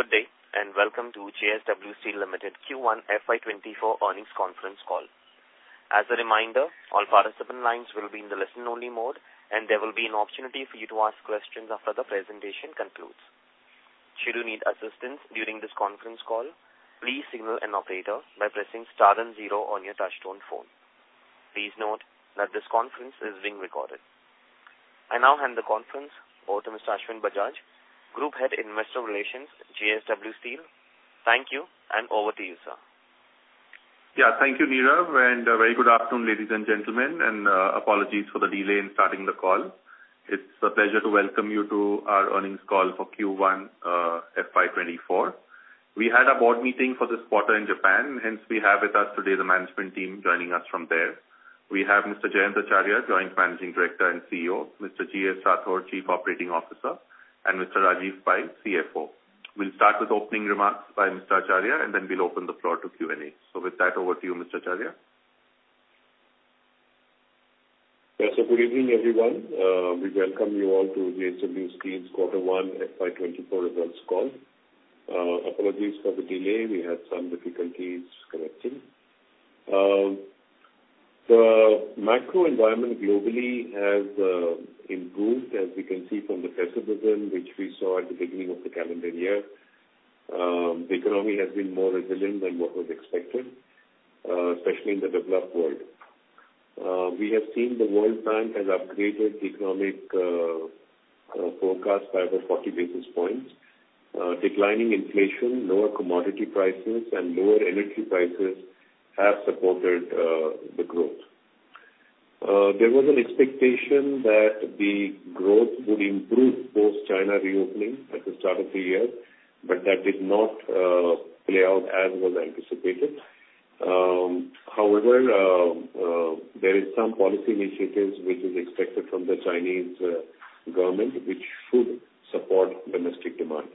Good day, and welcome to JSW Steel Limited Q1 FY 2024 Earnings Conference Call. As a reminder, all participant lines will be in the listen-only mode, and there will be an opportunity for you to ask questions after the presentation concludes. Should you need assistance during this conference call, please signal an operator by pressing star zero on your touch-tone phone. Please note that this conference is being recorded. I now hand the conference over to Mr. Ashwin Bajaj, Group Head Investor Relations, JSW Steel. Thank you, and over to you, sir. Yeah. Thank you, Nirav, and apologies for the delay in starting the call. It's a pleasure to welcome you to our earnings call for Q1 FY2024. We had a board meeting for this quarter in Japan, hence we have with us today the management team joining us from there. We have Mr. Jayant Acharya, Joint Managing Director & CEO, Mr. G.S. Rathore, Chief Operating Officer, and Mr. Rajiv Pai, CFO. We'll start with opening remarks by Mr. Acharya. Then we'll open the floor to Q&A. With that, over to you, Mr. Acharya. Yes, good evening, everyone. We welcome you all to JSW Steel's Quarter 1 FY24 results call. Apologies for the delay. We had some difficulties connecting. The macro environment globally has improved, as we can see from the pessimism, which we saw at the beginning of the calendar year. The economy has been more resilient than what was expected, especially in the developed world. We have seen the World Bank has upgraded the economic forecast by over 40 basis points. Declining inflation, lower commodity prices, and lower energy prices have supported the growth. There was an expectation that the growth would improve post-China reopening at the start of the year, that did not play out as was anticipated. However, there is some policy initiatives which is expected from the Chinese government, which should support domestic demand.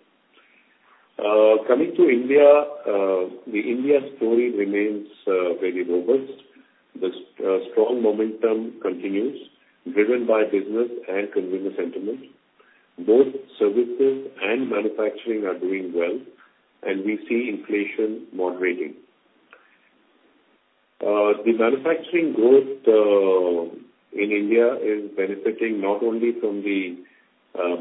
Coming to India, the India story remains very robust. The strong momentum continues, driven by business and consumer sentiment. Both services and manufacturing are doing well, and we see inflation moderating. The manufacturing growth in India is benefiting not only from the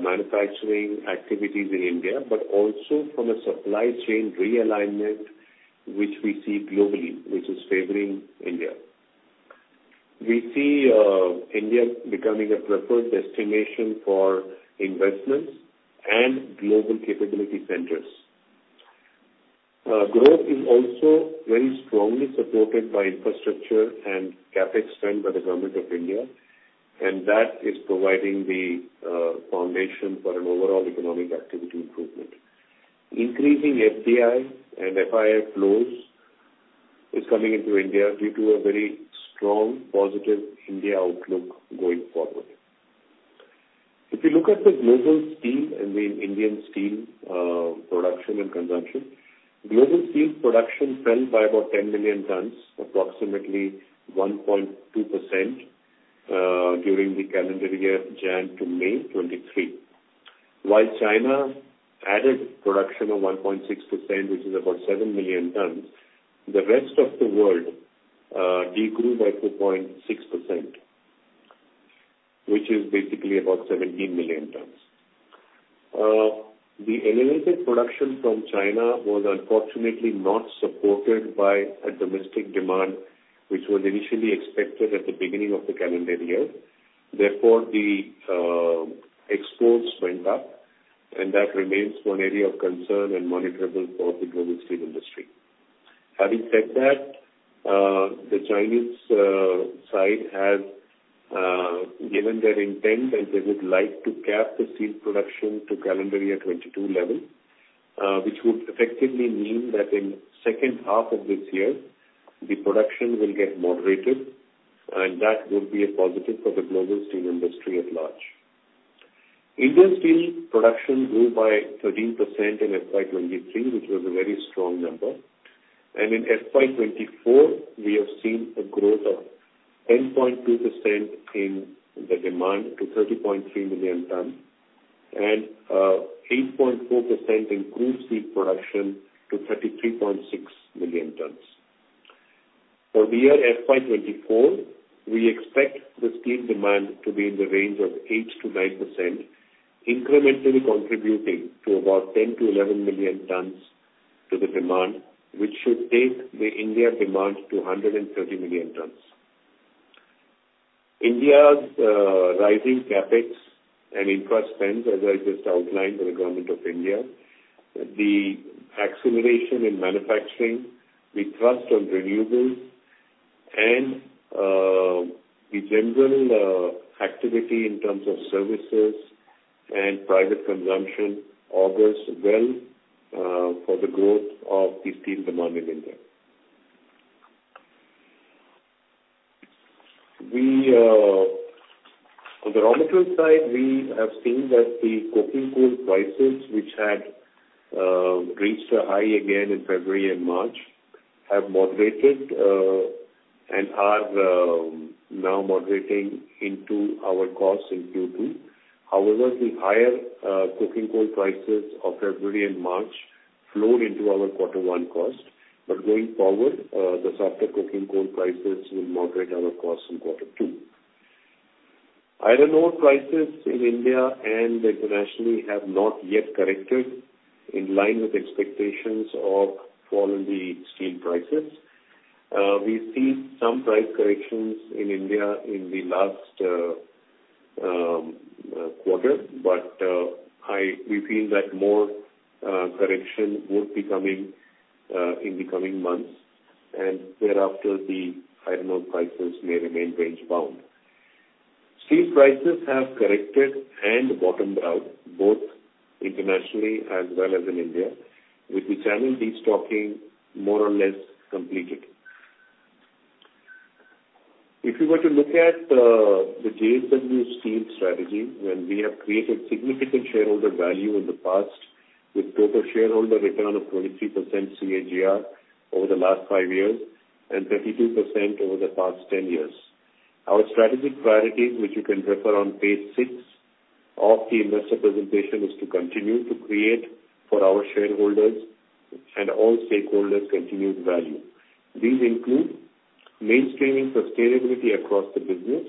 manufacturing activities in India, but also from a supply chain realignment, which we see globally, which is favoring India. We see India becoming a preferred destination for investments and global capability centers. Growth is also very strongly supported by infrastructure and CapEx spend by the government of India, and that is providing the foundation for an overall economic activity improvement. Increasing FDI and FII flows is coming into India due to a very strong, positive India outlook going forward. If you look at the global steel and the Indian steel production and consumption, global steel production fell by about 10 million tons, approximately 1.2%, during the calendar year, January to May 2023. While China added production of 1.6%, which is about 7 million tons, the rest of the world decreased by 2.6%, which is basically about 17 million tons. The elevated production from China was unfortunately not supported by a domestic demand, which was initially expected at the beginning of the calendar year. The exports went up, and that remains one area of concern and monitorable for the global steel industry. Having said that, the Chinese side has given their intent, and they would like to cap the steel production to calendar year 2022 level, which would effectively mean that in second half of this year, the production will get moderated, and that would be a positive for the global steel industry at large. Indian steel production grew by 13% in FY 2023, which was a very strong number. In FY 2024, we have seen a growth of 10.2% in the demand to 30.3 million tons and 8.4% in crude steel production to 33.6 million tons. For the year FY24, we expect the steel demand to be in the range of 8%-9%, incrementally contributing to about 10-11 million tons to the demand, which should take the India demand to 130 million tons. India's rising CapEx and infra spend, as I just outlined, by the government of India, the acceleration in manufacturing, the trust on renewables and the general activity in terms of services and private consumption, augurs well for the growth of the steel demand in India. On the raw material side, we have seen that the coking coal prices, which had reached a high again in February and March, have moderated and are now moderating into our costs in Q2. However, the higher coking coal prices of February and March flowed into our quarter one cost. Going forward, the softer coking coal prices will moderate our costs in quarter two. Iron ore prices in India and internationally have not yet corrected in line with expectations of fall in the steel prices. We see some price corrections in India in the last quarter, but we feel that more correction would be coming in the coming months, and thereafter, the iron ore prices may remain range-bound. Steel prices have corrected and bottomed out, both internationally as well as in India, with the channel destocking more or less completed. If you were to look at the JSW Steel strategy, when we have created significant shareholder value in the past, with total shareholder return of 23% CAGR over the last five years and 32% over the past 10 years. Our strategic priorities, which you can refer on page six of the investor presentation, is to continue to create for our shareholders and all stakeholders, continued value. These include mainstreaming sustainability across the business,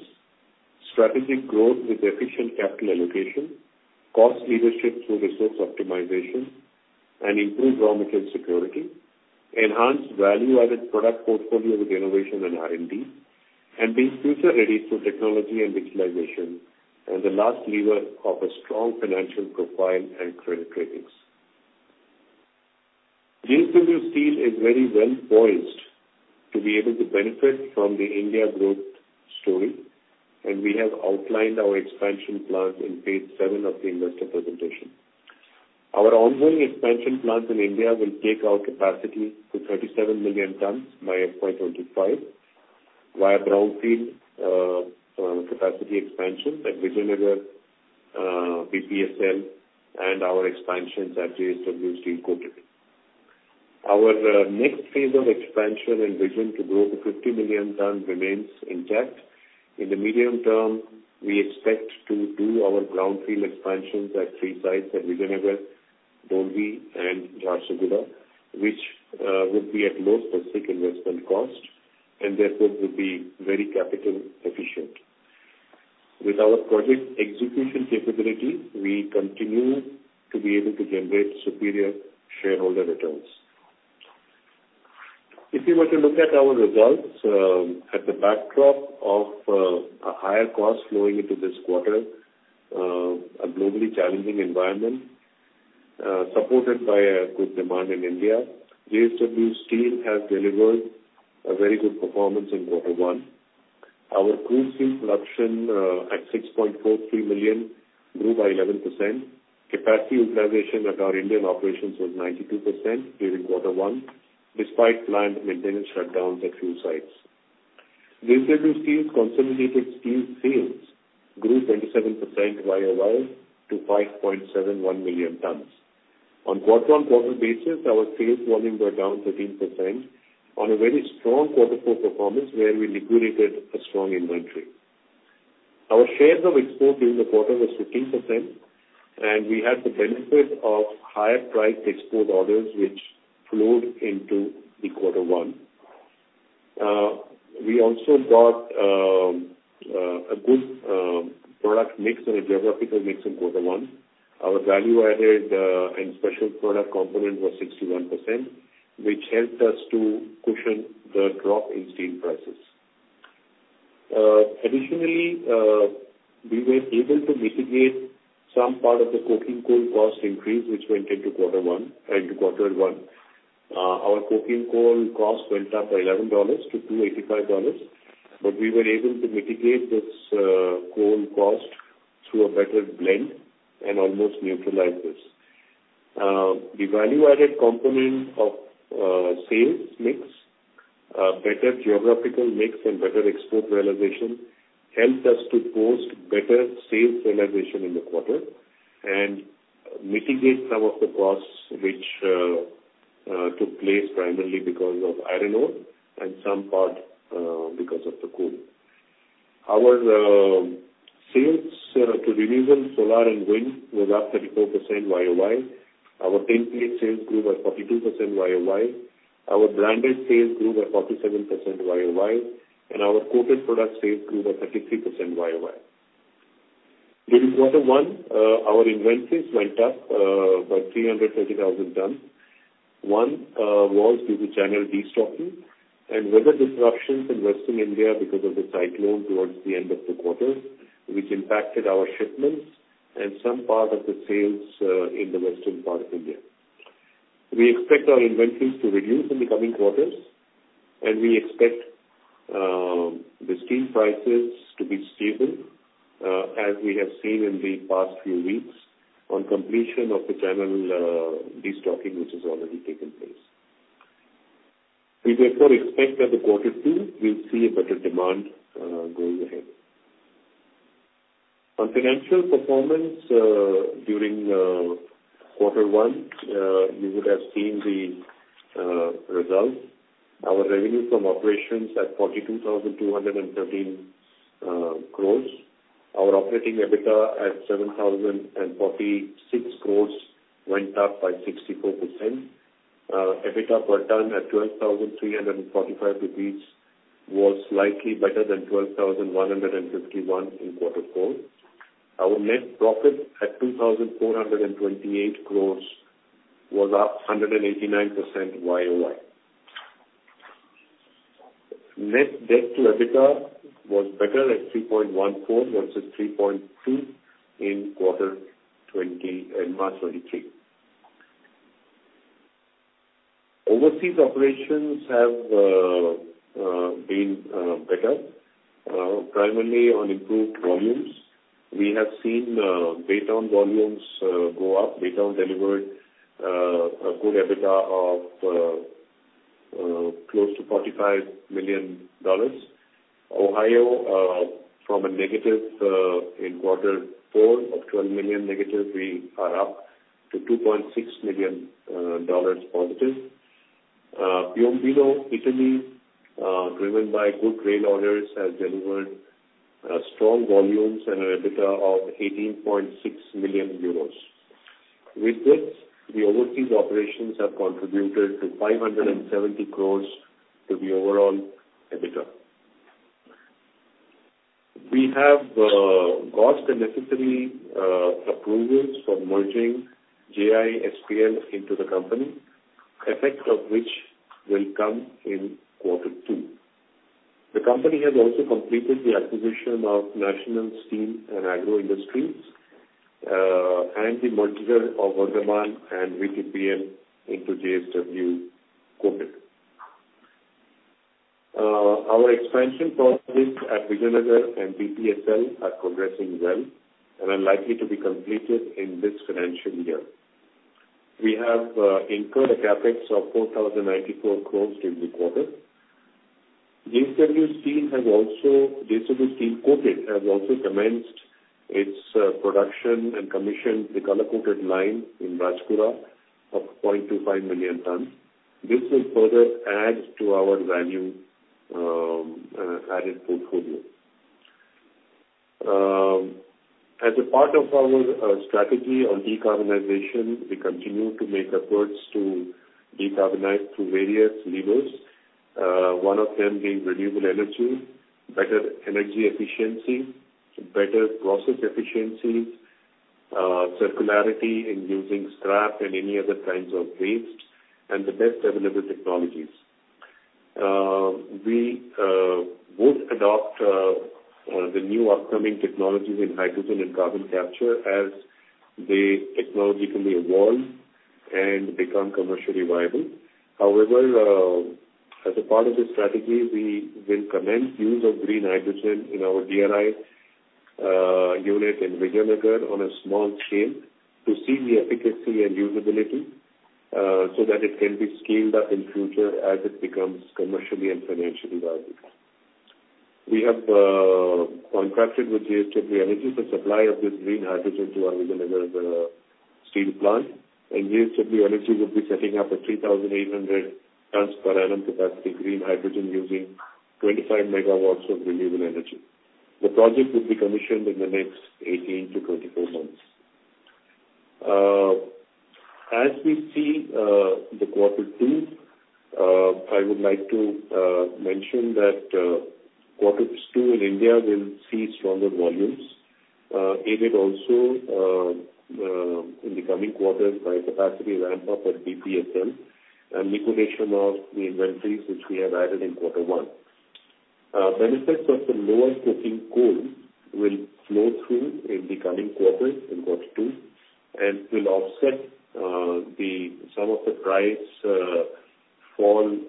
strategic growth with efficient capital allocation, cost leadership through resource optimization, and improved raw material security, enhanced value-added product portfolio with innovation and R&D, and being future-ready through technology and digitalization, and the last lever of a strong financial profile and credit ratings. JSW Steel is very well poised to be able to benefit from the India growth story. We have outlined our expansion plans in page seven of the investor presentation. Our ongoing expansion plans in India will take our capacity to 37 million tons by FY25, via brownfield capacity expansion at Vijayanagar, BPSL, and our expansions at JSW Steel Coated. Our next phase of expansion and vision to grow to 50 million tons remains intact. In the medium term, we expect to do our greenfield expansions at three sites at Vijayanagar, Dolvi, and Jharsuguda, which would be at low specific investment cost, and therefore would be very capital efficient. With our project execution capability, we continue to be able to generate superior shareholder returns. If you were to look at our results, at the backdrop of a higher cost flowing into this quarter, a globally challenging environment, supported by a good demand in India, JSW Steel has delivered a very good performance in quarter one. Our crude steel production, at 6.43 million, grew by 11%. Capacity utilization at our Indian operations was 92% during quarter one, despite planned maintenance shutdowns at few sites. JSW Steel's consolidated steel sales grew 27% YOY to 5.71 million tons. On quarter-on-quarter basis, our sales volume were down 13% on a very strong Q4 performance, where we liquidated a strong inventory. Our share of export during the quarter was 15%. We had the benefit of higher price export orders, which flowed into the Q1. We also got a good product mix and a geographical mix in Q1. Our value-added and special product component was 61%, which helped us to cushion the drop in steel prices. Additionally, we were able to mitigate some part of the coking coal cost increase, which went into Q1, into Q1. Our coking coal cost went up by $11 to $285, but we were able to mitigate this coal cost through a better blend and almost neutralize this. The value-added component of sales mix, better geographical mix, and better export realization, helped us to post better sales realization in the quarter, and mitigate some of the costs which took place primarily because of iron ore and some part because of the coal. Our sales to renewable solar and wind was up 34% YOY. Our painted sales grew by 42% YOY. Our branded sales grew by 47% YOY, and our coated product sales grew by 33% YOY. During Q1, our inventories went up by 330,000 tons. One, was due to general destocking and weather disruptions in Western India because of the cyclone towards the end of the quarter, which impacted our shipments and some part of the sales in the western part of India. We expect our inventories to reduce in the coming quarters, and we expect the steel prices to be stable as we have seen in the past few weeks on completion of the general destocking, which has already taken place. We therefore expect that the quarter two, we'll see a better demand going ahead. On financial performance, during quarter one, you would have seen the results. Our revenue from operations at 42,213 crore. Our operating EBITDA at 7,046 crore went up by 64%. EBITDA per ton at 12,345 rupees was slightly better than 12,151 in quarter four. Our net profit at 2,428 crores was up 189% YOY. Net debt to EBITDA was better at 3.14 versus 3.2 in quarter twenty March 2023. Overseas operations have been better primarily on improved volumes. We have seen Baytown volumes go up. Baytown delivered a good EBITDA of close to $45 million. Ohio from a negative in quarter four of -$12 million, we are up to $2.6 million positive. Piombino, Italy, driven by good rail orders, has delivered strong volumes and an EBITDA of 18.6 million euros. With this, the overseas operations have contributed to 570 crores to the overall EBITDA. We have got the necessary approvals for merging JISPL into the company, effect of which will come in Q2. The company has also completed the acquisition of National Steel and Agro Industries, and the merger of Vardhman and JVTPL into JSW Coated. Our expansion projects at Vijayanagar and BPSL are progressing well and are likely to be completed in this financial year. We have incurred a CapEx of 4,094 crores in the quarter. JSW Steel Coated has also commenced its production and commissioned the color-coated line in Rajpura of 0.25 million tons. This will further add to our value added portfolio. As a part of our strategy on decarbonization, we continue to make efforts to decarbonize through various levers. One of them being renewable energy, better energy efficiency, better process efficiencies, circularity in using scrap and any other kinds of waste, and the best available technologies. We would adopt the new upcoming technologies in hydrogen and carbon capture as the technology can be evolved and become commercially viable. However, as a part of this strategy, we will commence use of green hydrogen in our DRI unit in Vijayanagar on a small scale to see the efficacy and usability, so that it can be scaled up in future as it becomes commercially and financially viable. We have contracted with JSW Energy the supply of this green hydrogen to our Vijayanagar steel plant, and JSW Energy will be setting up a 3,800 tons per annum capacity green hydrogen using 25 megawatts of renewable energy. The project will be commissioned in the next 18-24 months. As we see, the Q2, I would like to mention that Q2 in India will see stronger volumes, aided also in the coming quarters by capacity ramp up at BPSL and liquidation of the inventories which we have added in Q1. Benefits of the lower coking coal will flow through in the coming quarter, in quarter two, and will offset the some of the price fall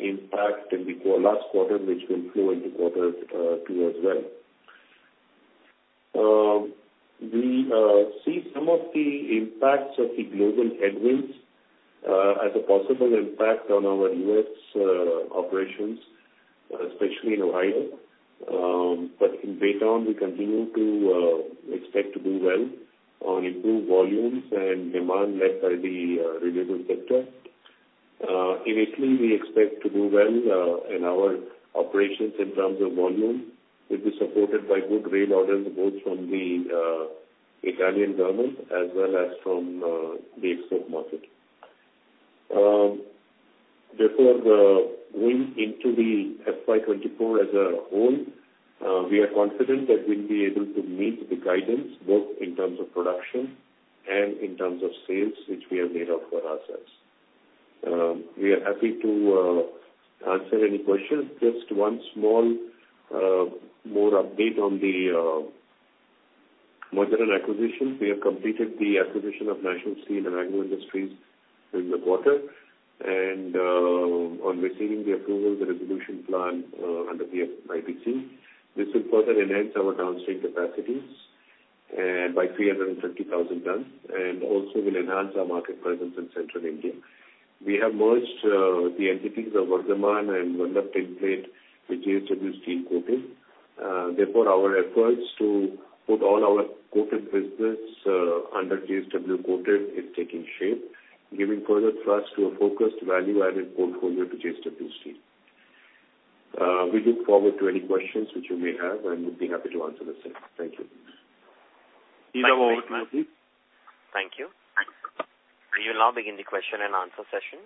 impact in the last quarter, which will flow into quarter two as well. We see some of the impacts of the global headwinds as a possible impact on our US operations, especially in Ohio. But in Baytown, we continue to expect to do well on improved volumes and demand led by the renewable sector. In Italy, we expect to do well in our operations in terms of volume, which is supported by good rail orders, both from the Italian government as well as from the export market. Therefore, going into the FY 2024 as a whole, we are confident that we'll be able to meet the guidance, both in terms of production and in terms of sales, which we have laid out for ourselves. We are happy to answer any questions. Just one small more update on the merger and acquisition. We have completed the acquisition of National Steel and Agro Industries in the quarter, and on receiving the approval, the resolution plan under IBC. This will further enhance our downstream capacities by 350,000 tons, and also will enhance our market presence in central India. We have merged the entities of Vardhman and Vallabh Tinplate with JSW Steel Coating. Our efforts to put all our coated business under JSW Coated is taking shape, giving further thrust to a focused value-added portfolio to JSW Steel. We look forward to any questions which you may have, and we'd be happy to answer the same. Thank you. Thank you. We will now begin the question-and-answer session.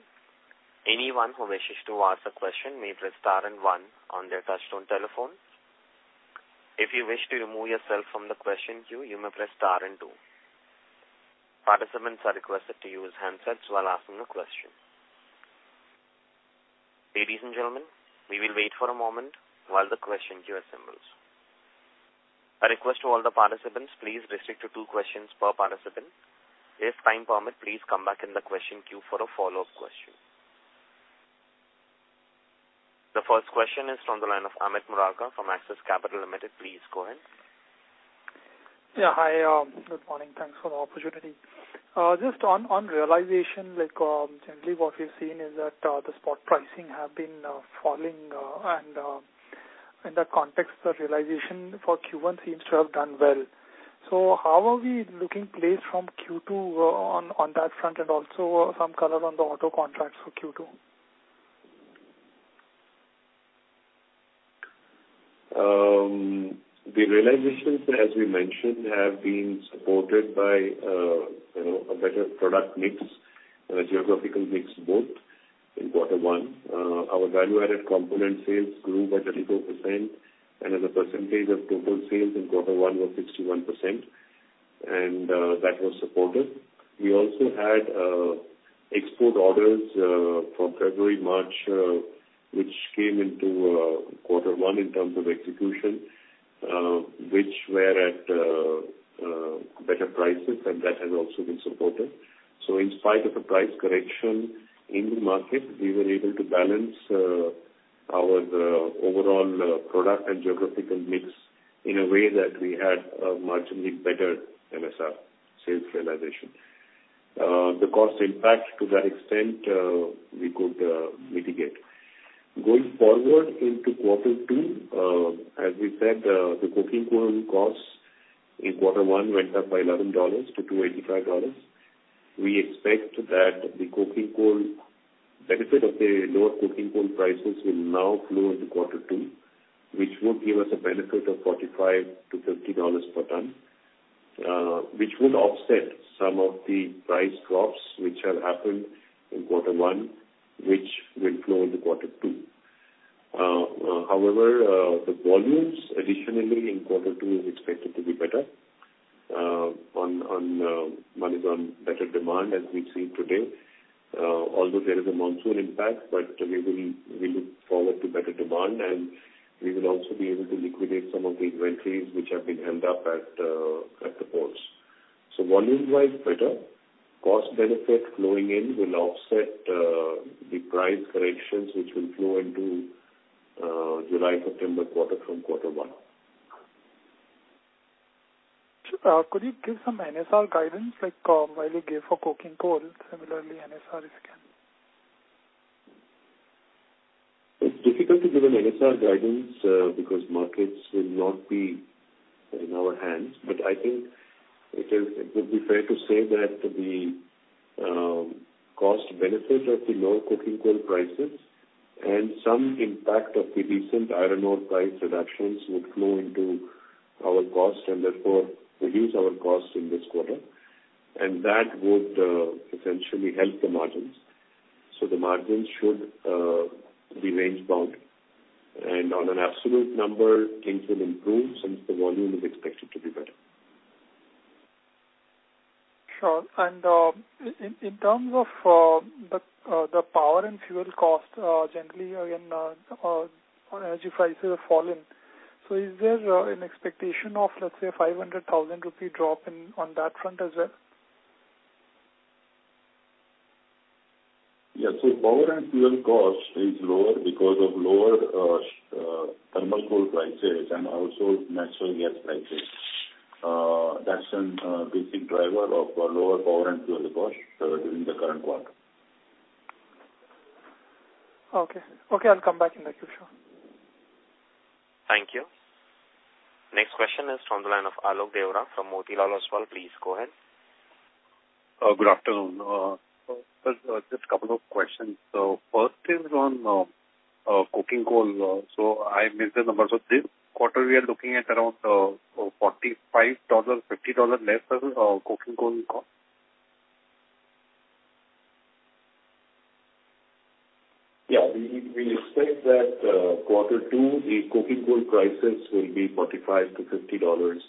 Anyone who wishes to ask a question, may press star and one on their touchtone telephone. If you wish to remove yourself from the question queue, you may press star and two. Participants are requested to use handsets while asking the question. Ladies and gentlemen, we will wait for a moment while the question queue assembles. A request to all the participants, please restrict to two questions per participant. If time permit, please come back in the question queue for a follow-up question. The first question is from the line of Amit Murarka from Axis Capital Limited. Please go ahead. Yeah, hi, good morning. Thanks for the opportunity. Just on realization, like, generally what we've seen is that the spot pricing have been falling, and in the context of realization for Q1 seems to have done well. How are we looking placed from Q2 on that front, and also some color on the auto contracts for Q2? The realizations, as we mentioned, have been supported by, you know, a better product mix and a geographical mix both in quarter one. Our value-added component sales grew by 32%, and as a percentage of total sales in quarter one were 61%, and that was supported. We also had export orders for February, March, which came into quarter one in terms of execution, which were at better prices, and that has also been supported. In spite of the price correction in the market, we were able to balance our overall product and geographical mix in a way that we had a marginally better NSR sales realization. The cost impact, to that extent, we could mitigate. Going forward into quarter two, as we said, the coking coal costs in quarter one went up by $11 to $285. We expect that the coking coal benefit of the lower coking coal prices will now flow into quarter two, which would give us a benefit of $45-$50 per ton, which would offset some of the price drops which have happened in quarter one, which will flow into quarter two. The volumes additionally in quarter two is expected to be better on one is on better demand as we see today. Although there is a monsoon impact, we look forward to better demand, we will also be able to liquidate some of the inventories which have been held up at the ports. Volume-wise, better. Cost benefit flowing in will offset the price corrections, which will flow into July, September quarter from quarter one. Could you give some NSR guidance, like, while you gave for coking coal, similarly, NSR, if you can? It's difficult to give an NSR guidance because markets will not be in our hands. I think it would be fair to say that the cost benefit of the lower coking coal prices and some impact of the recent iron ore price reductions would flow into our costs, and therefore reduce our costs in this quarter, and that would potentially help the margins. The margins should be range-bound. On an absolute number, things will improve since the volume is expected to be better. Sure. In terms of the power and fuel cost, generally, again, energy prices have fallen. Is there an expectation of, let's say, 500,000 rupee drop in, on that front as well? Yes. Power and fuel cost is lower because of lower thermal coal prices and also natural gas prices. That's a basic driver of lower power and fuel cost during the current quarter. Okay. Okay, I'll come back in the future. Thank you. Next question is from the line of Alok Deora from Motilal Oswal. Please go ahead. Good afternoon. Just a couple of questions. First is on coking coal. I missed the numbers. This quarter, we are looking at around $45, $50 less than coking coal cost? Yeah. We expect that quarter two, the coking coal prices will be $45-$50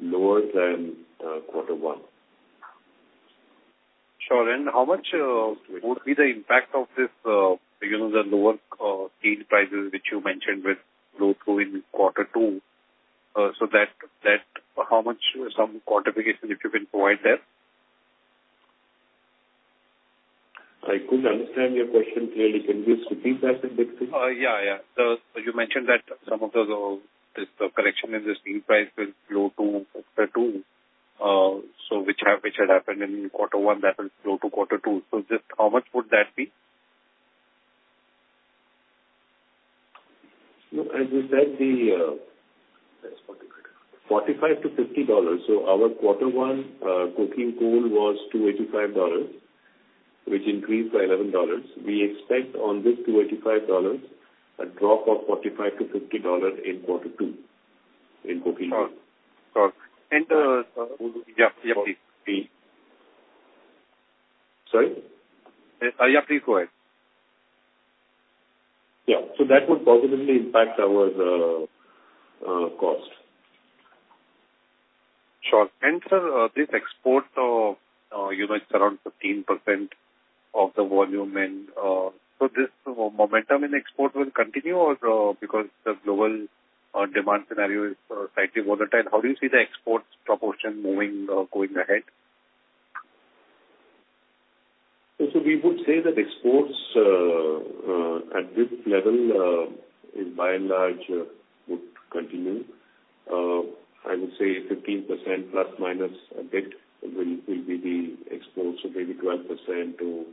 lower than quarter one. Sure. How much would be the impact of this, you know, the lower steel prices, which you mentioned with flow through in quarter two? That how much some quantification if you can provide there? I couldn't understand your question clearly. Can you repeat that a bit, please? Yeah, yeah. You mentioned that some of the the correction in the steel price will flow to quarter two, which had happened in quarter one, that will flow to quarter two. Just how much would that be? No, as we said, the $45-$50. Our quarter one coking coal was $285, which increased by $11. We expect on this $285, a drop of $45-$50 in quarter two, in coking coal. Sure. yeah, please. Sorry? Yeah, please go ahead. Yeah. That would positively impact our cost. Sure. Sir, this export of, you know, it's around 15% of the volume and, so this momentum in export will continue or, because the global demand scenario is slightly volatile, how do you see the exports proportion moving going ahead? We would say that exports at this level, by and large, would continue. I would say 15% plus minus a bit will be the exports. Maybe 12% to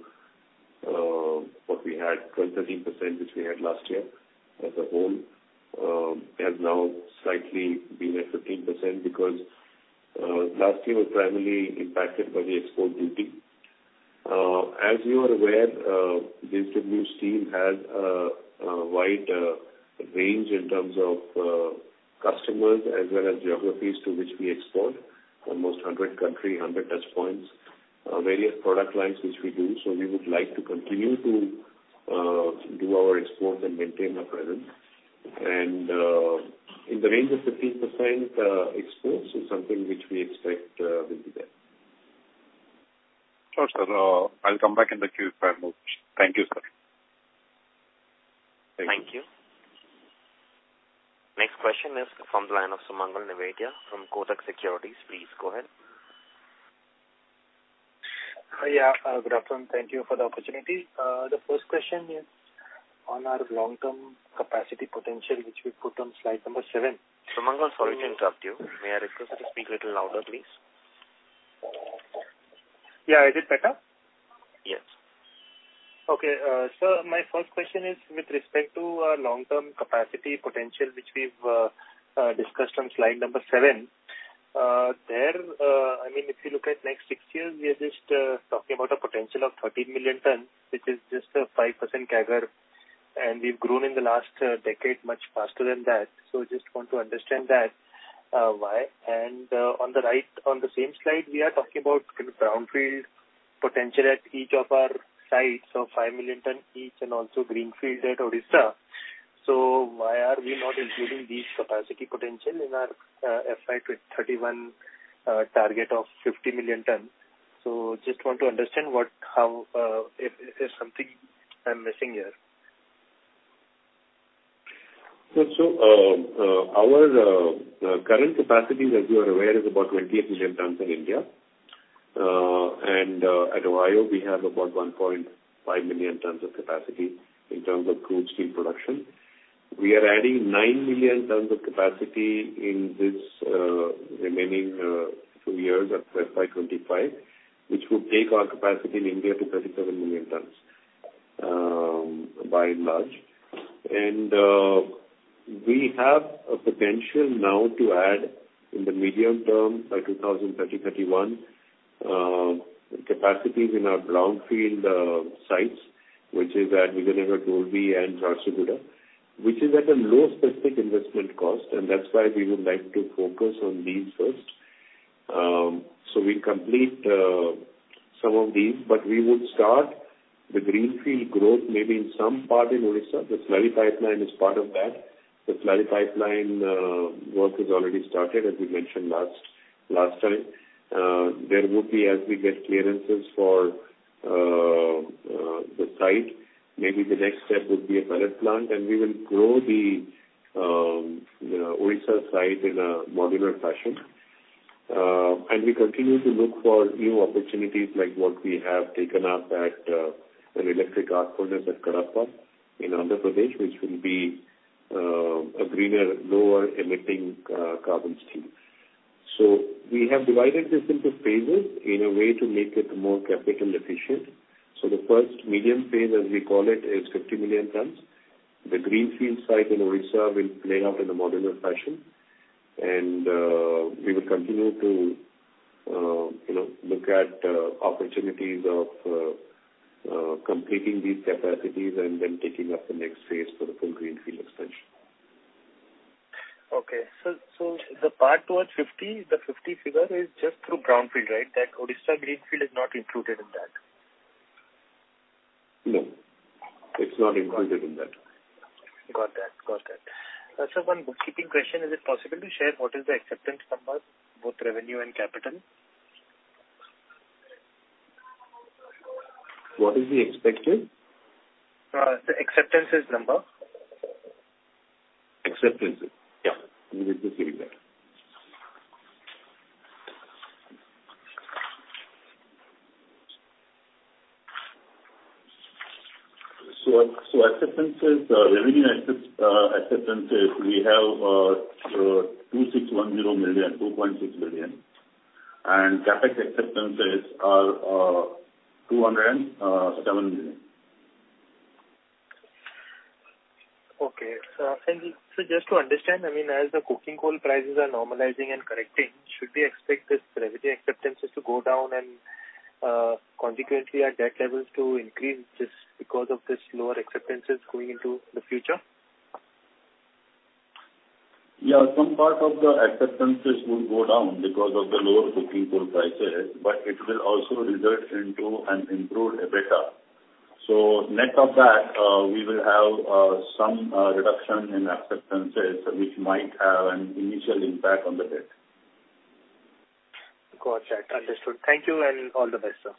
what we had, 12%-13%, which we had last year as a whole, has now slightly been at 15% because last year was primarily impacted by the export duty. As you are aware, JSW Steel has a wide range in terms of customers as well as geographies to which we export. Almost 100 country, 100 touch points, various product lines, which we do. We would like to continue to do our exports and maintain our presence. In the range of 15%, exports is something which we expect will be there. Sure, sir. I'll come back in the queue if I have more questions. Thank you, sir. Thank you. Next question is from the line of Sumangal Nevatia from Kotak Securities. Please go ahead. Good afternoon. Thank you for the opportunity. The first question is on our long-term capacity potential, which we put on slide number seven. Sumangal, sorry to interrupt you. May I request you to speak a little louder, please? Yeah. Is it better? Yes. Okay. My first question is with respect to long-term capacity potential, which we've discussed on slide number seven. There, I mean, if you look at next six years, we are just talking about a potential of 13 million tons, which is just a 5% CAGR, and we've grown in the last decade much faster than that. Just want to understand that, why? On the right, on the same slide, we are talking about brownfield potential at each of our sites, so 5 million ton each, and also greenfield at Odisha. Why are we not including these capacity potential in our FY 2031 target of 50 million tons? Just want to understand what, how, if there's something I'm missing here. Our current capacity, as you are aware, is about 28 million tons in India. At Ohio, we have about 1.5 million tons of capacity in terms of crude steel production. We are adding 9 million tons of capacity in this remaining two years at FY25, which would take our capacity in India to 37 million tons by and large. We have a potential now to add in the medium term, by 2030-2031, capacities in our brownfield sites, which is at Vijayanagar, Dolvi, and Jharsuguda, which is at a low specific investment cost, and that's why we would like to focus on these first. We complete some of these, but we would start the greenfield growth maybe in some part in Odisha. The slurry pipeline is part of that. The slurry pipeline, work has already started, as we mentioned last time. There would be, as we get clearances for, the site, maybe the next step would be a pellet plant, and we will grow the Odisha site in a modular fashion. We continue to look for new opportunities like what we have taken up at an electric arc furnace at Kalinganagar in Andhra Pradesh, which will be a greener, lower emitting, carbon steel. We have divided this into phases in a way to make it more capital efficient. The first medium phase, as we call it, is 50 million tons. The greenfield site in Odisha will play out in a modular fashion, and we will continue to, you know, look at opportunities of completing these capacities and then taking up the next phase for the full greenfield expansion. Okay. So the part 150, the 50 figure is just through brownfield, right? That Odisha greenfield is not included in that. No, it's not included in that. Got that. Got that. One bookkeeping question, is it possible to share what is the acceptance number, both revenue and capital? What is the acceptance? The acceptances number. Acceptances? Yeah. Let me just see that. Acceptances, revenue acceptances, we have 2,610 million, 2.6 billion. CapEx acceptances are 207 million. Okay. Just to understand, as the coking coal prices are normalizing and correcting, should we expect this revenue acceptances to go down and consequently our debt levels to increase just because of this lower acceptances going into the future? Some part of the acceptances will go down because of the lower coking coal prices, but it will also result into an improved EBITDA. Net of that, we will have some reduction in acceptances, which might have an initial impact on the debt. Gotcha. Understood. Thank you, and all the best, sir.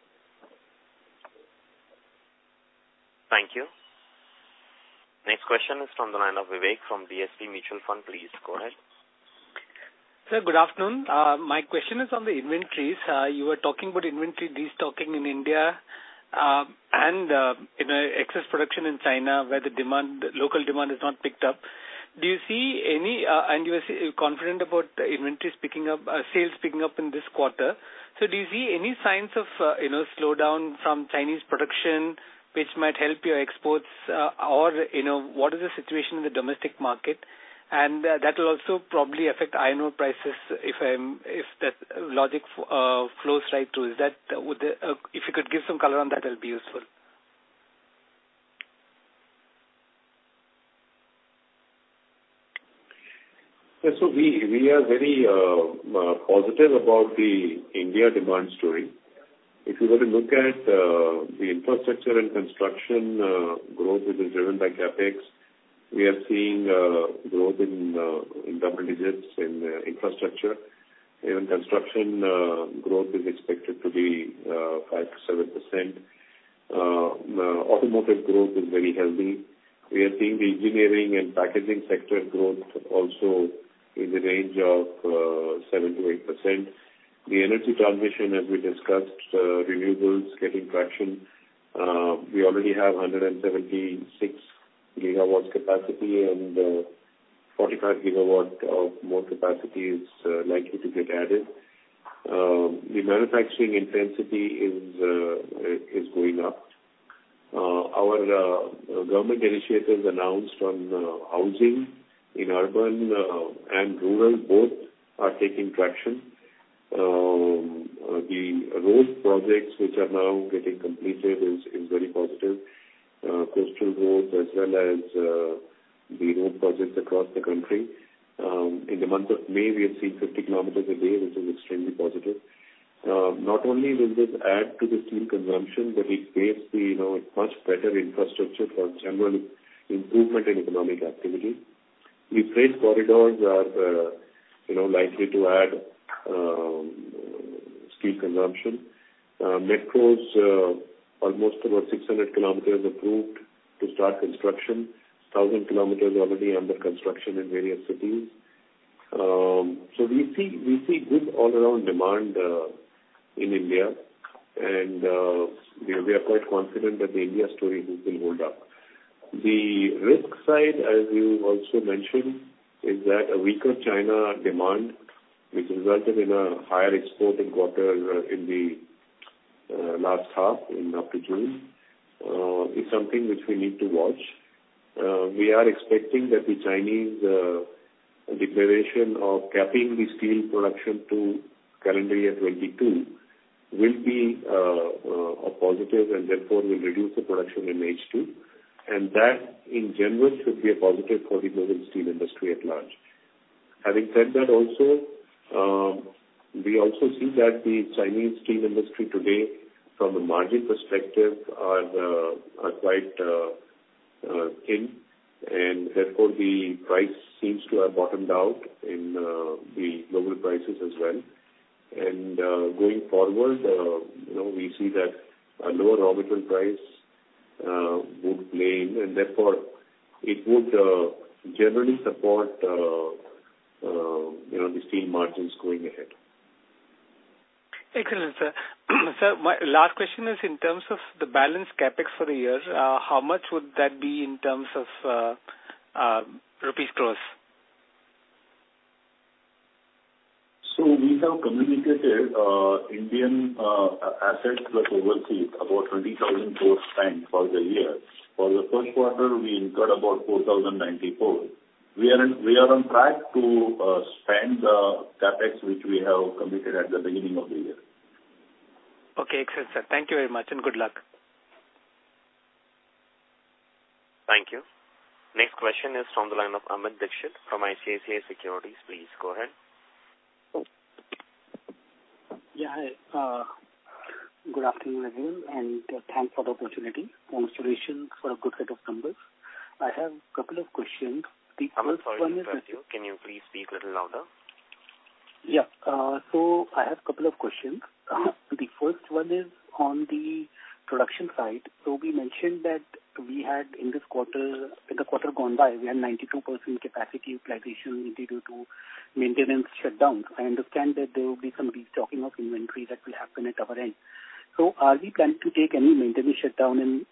Thank you. Next question is from the line of Vivek from DSP Mutual Fund. Please go ahead. Sir, good afternoon. My question is on the inventories. You were talking about inventory destocking in India, and, you know, excess production in China, where the demand, local demand has not picked up. Do you see any? You are confident about the inventories picking up, sales picking up in this quarter. Do you see any signs of, you know, slowdown from Chinese production, which might help your exports? You know, what is the situation in the domestic market? That will also probably affect iron ore prices, if that logic flows right through. Is that, would, if you could give some color on that'll be useful. We are very positive about the India demand story. If you were to look at the infrastructure and construction growth, which is driven by CapEx, we are seeing growth in double digits in infrastructure, and construction growth is expected to be 5%-7%. Automotive growth is very healthy. We are seeing the engineering and packaging sector growth also in the range of 7%-8%. The energy transmission, as we discussed, renewables getting traction. We already have 176 gigawatts capacity, and 45 gigawatt of more capacity is likely to get added. The manufacturing intensity is going up. Our government initiatives announced on housing in urban and rural both are taking traction. The road projects, which are now getting completed, is very positive. Coastal roads as well as the road projects across the country. In the month of May, we have seen 50 kilometers a day, which is extremely positive. Not only will this add to the steel consumption, but it creates the, you know, much better infrastructure for general improvement in economic activity. The freight corridors are, you know, likely to add steel consumption. Metros, almost about 600 kilometers approved to start construction, 1,000 kilometers already under construction in various cities. We see good all around demand in India, and we are quite confident that the India story will still hold up. The risk side, as you also mentioned, is that a weaker China demand, which resulted in a higher export in quarter in the last half, in up to June, is something which we need to watch. We are expecting that the Chinese declaration of capping the steel production to calendar year 2022, will be a positive and therefore will reduce the production in H2, and that, in general, should be a positive for the global steel industry at large. Having said that also, we also see that the Chinese steel industry today, from a margin perspective, are quite thin, and therefore the price seems to have bottomed out in the global prices as well. Going forward, you know, we see that a lower raw material price would play in, and therefore it would generally support, you know, the steel margins going ahead. Excellent, sir. Sir, my last question is in terms of the balance CapEx for the year, how much would that be in terms of rupees crores? We have communicated, Indian assets plus overseas, about 20,000 crores spent for the year. For the first quarter, we incurred about 4,094. We are on track to spend the CapEx which we have committed at the beginning of the year. Okay, excellent, sir. Thank you very much, and good luck. Thank you. Next question is from the line of Amit Dixit from ICICI Securities. Please go ahead. Yeah, hi. Good afternoon again. Thanks for the opportunity. Congratulations for a good set of numbers. I have a couple of questions. I'm sorry to interrupt you. Can you please speak little louder? I have a couple of questions. The first one is on the production side. We mentioned that we had, in this quarter, in the quarter gone by, we had 92% capacity utilization mainly due to maintenance shutdown. I understand that there will be some restocking of inventory that will happen at our end. Are we planning to take any maintenance shutdown in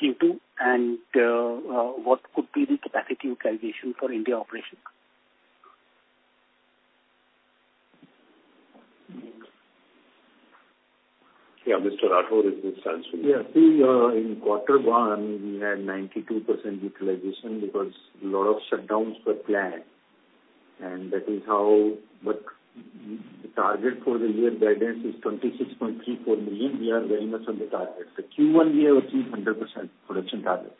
Q2, and what could be the capacity utilization for India operations? Yeah, Mr. Rathore will answer. Yeah, see, in quarter one, we had 92% utilization because a lot of shutdowns were planned. The target for the year guidance is 26.34 million. We are very much on the target. The Q1, we have achieved 100% production target.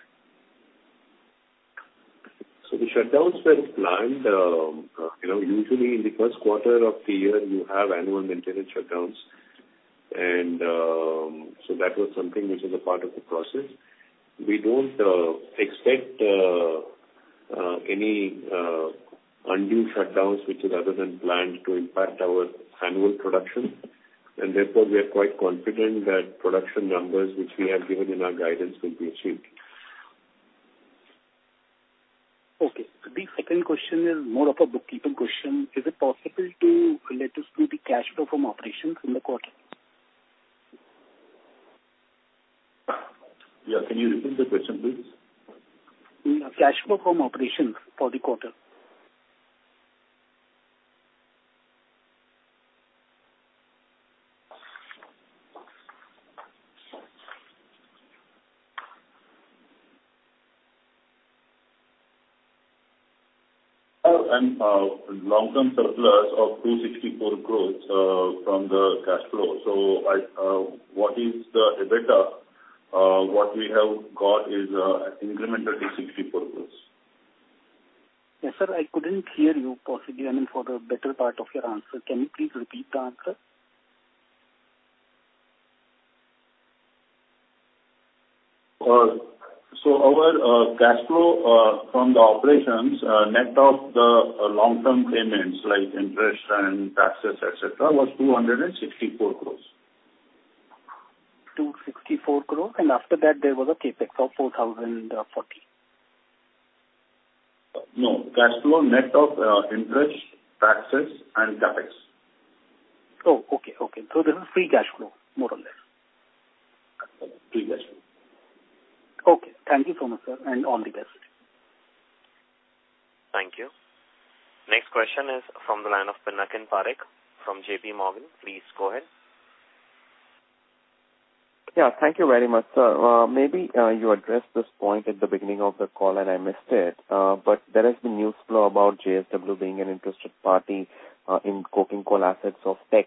The shutdowns were planned. you know, usually in the first quarter of the year, you have annual maintenance shutdowns. That was something which is a part of the process. We don't expect any undue shutdowns, which is other than planned, to impact our annual production. Therefore, we are quite confident that production numbers, which we have given in our guidance, will be achieved. Okay. The second question is more of a bookkeeping question: Is it possible to let us do the cash flow from operations in the quarter? Yeah. Can you repeat the question, please? Yeah, cash flow from operations for the quarter. Long-term surplus of 264 crores from the cash flow. What is the EBITDA? What we have got is an increment of 264 crores. Yes, sir, I couldn't hear you possibly, I mean, for the better part of your answer. Can you please repeat the answer? Our cash flow from the operations net of the long-term payments, like interest and taxes, et cetera, was 264 crores. 264 crore. After that, there was a CapEx of 4,040. No. Cash flow, net of interest, taxes, and CapEx. Oh, okay. Okay. This is free cash flow, more or less? Free cash flow. Okay. Thank you so much, sir, and all the best. Thank you. Next question is from the line of Pinakin Parekh from JPMorgan. Please go ahead. Yeah, thank you very much, sir. maybe you addressed this point at the beginning of the call, and I missed it. There has been news flow about JSW being an interested party in coking coal assets of Teck.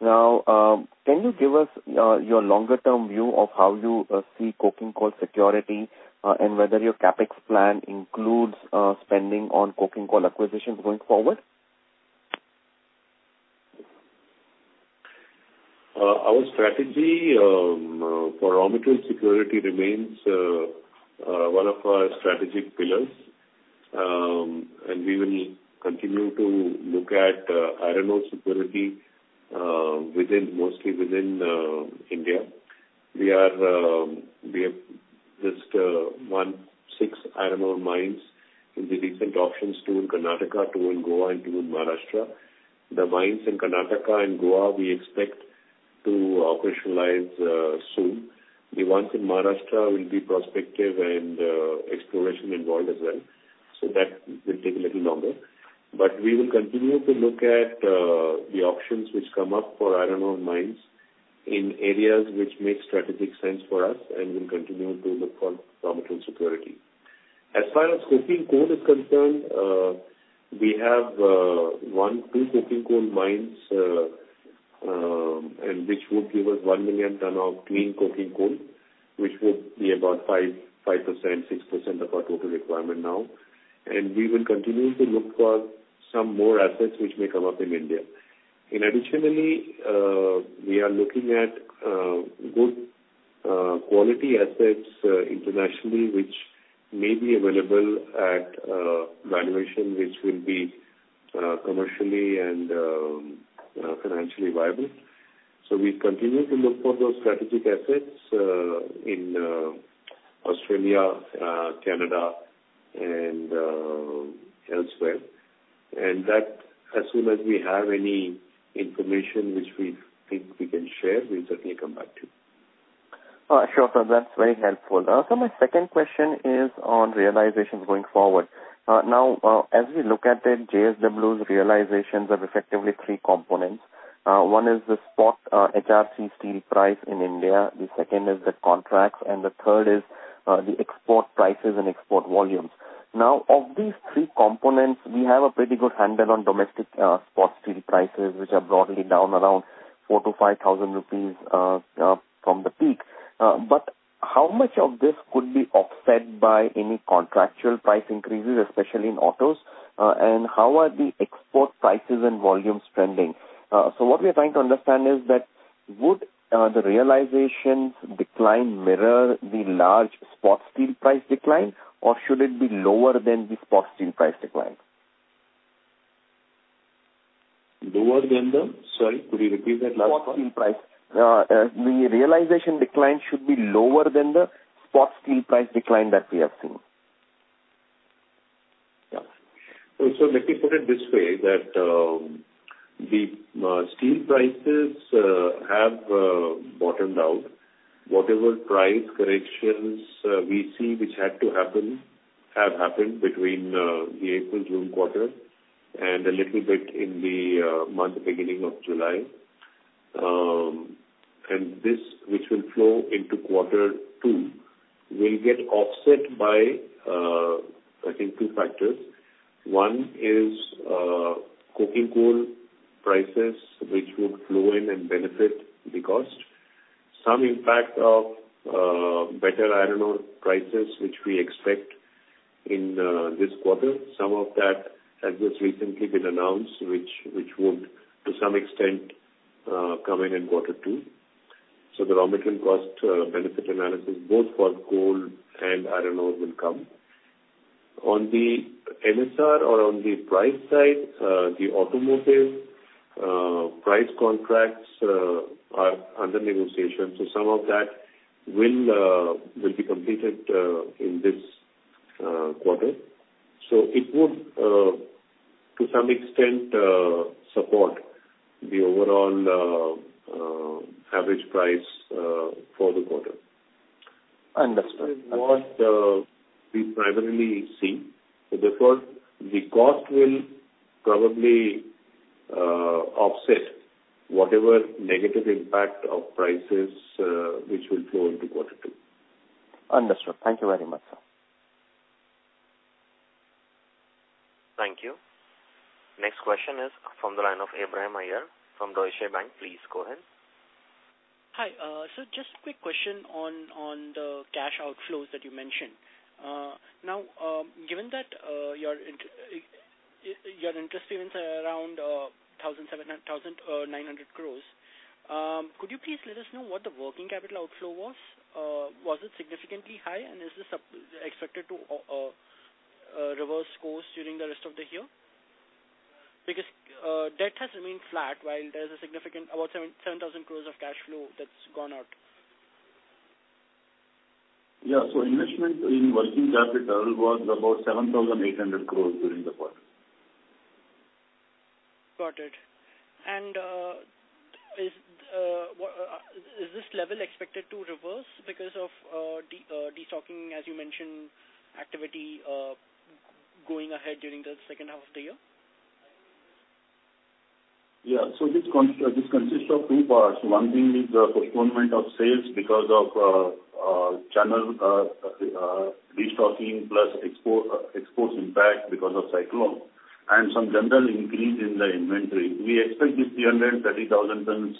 Now, can you give us your longer-term view of how you see coking coal security, and whether your CapEx plan includes spending on coking coal acquisitions going forward? Our strategy for raw material security remains one of our strategic pillars. We will continue to look at iron ore security within, mostly within India. We are, we have just one, six iron ore mines in the different options, two in Karnataka, two in Goa, and two in Maharashtra. The mines in Karnataka and Goa, we expect to operationalize soon. The ones in Maharashtra will be prospective and exploration involved as well. That will take a little longer. We will continue to look at the options which come up for iron ore mines in areas which make strategic sense for us, and we'll continue to look for raw material security. As far as coking coal is concerned, we have one, two coking coal mines, which would give us 1 million ton of clean coking coal, which would be about 5%, 6% of our total requirement now. We will continue to look for some more assets which may come up in India. Additionally, we are looking at good quality assets internationally, which may be available at a valuation which will be commercially and financially viable. We continue to look for those strategic assets in Australia, Canada, and elsewhere. That, as soon as we have any information which we think we can share, we'll certainly come back to you. Sure, sir, that's very helpful. My second question is on realizations going forward. Now, as we look at it, JSW's realizations have effectively three components. One is the spot HRC steel price in India, the second is the contracts, and the third is the export prices and export volumes. Now, of these three components, we have a pretty good handle on domestic spot steel prices, which are broadly down around 4,000-5,000 rupees from the peak. How much of this could be offset by any contractual price increases, especially in autos? How are the export prices and volumes trending? What we are trying to understand is that would the realizations decline mirror the large spot steel price decline, or should it be lower than the spot steel price decline? Sorry, could you repeat that last part? Spot steel price. The realization decline should be lower than the spot steel price decline that we have seen. Let me put it this way, that the steel prices have bottomed out. Whatever price corrections we see which had to happen, have happened between the April-June quarter and a little bit in the month beginning of July. This, which will flow into quarter two, will get offset by I think two factors. One is coking coal prices, which would flow in and benefit the cost. Some impact of better iron ore prices, which we expect in this quarter. Some of that has just recently been announced, which would, to some extent, come in in quarter two. The raw material cost benefit analysis, both for coal and iron ore, will come. On the NSR or on the price side, the automotive price contracts are under negotiation. Some of that will will be completed in this quarter. It would to some extent support the overall average price for the quarter. Understood. What we primarily see, therefore, the cost will probably offset whatever negative impact of prices, which will flow into quarter two. Understood. Thank you very much, sir. Thank you. Next question is from the line of Abraham Iyer from Deutsche Bank. Please go ahead. Hi. Just a quick question on the cash outflows that you mentioned. Now, given that your interest payments are around 1,900 crores, could you please let us know what the working capital outflow was? Was it significantly high, and is this expected to reverse course during the rest of the year? Because debt has remained flat, while there's a significant about 7,000 crores of cash flow that's gone out. Yeah. Investment in working capital was about 7,800 crores during the quarter. Got it. Is this level expected to reverse because of destocking, as you mentioned, activity going ahead during the second half of the year? Yeah. This consists of two parts. One thing is the postponement of sales because of channel destocking, plus exports impact because of cyclone and some general increase in the inventory. We expect this 330,000 tons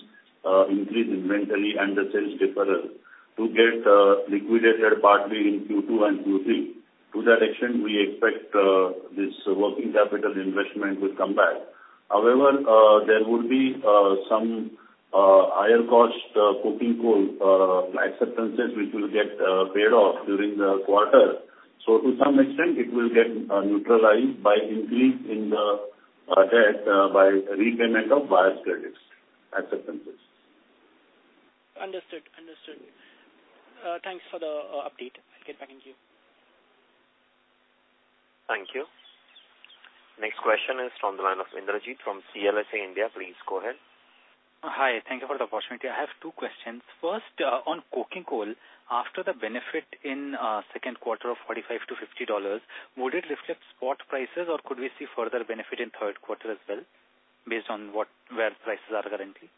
increase in inventory and the sales deferral to get liquidated partly in Q2 and Q3. To that extent, we expect this working capital investment will come back. However, there would be some higher cost coking coal acceptances which will get paid off during the quarter. To some extent, it will get neutralized by increase in the debt by repayment of buyer's credits acceptances. Understood. Understood. Thanks for the update. I'll get back to you. Thank you. Next question is from the line of Indrajit from CLSA India. Please go ahead. Hi. Thank you for the opportunity. I have two questions. First, on coking coal, after the benefit in second quarter of $45-$50, would it reflect spot prices or could we see further benefit in third quarter as well, based on where prices are currently?